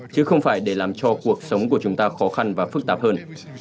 chứ không phải để làm cho cuộc sống của chúng ta khó khăn và phức tạp hơn